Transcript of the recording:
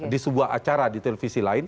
di sebuah acara di televisi lain